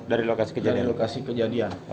dari lokasi kejadian